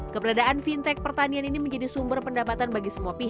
keberadaan fintech pertanian ini menjadi sumber pendapatan bagi semua pihak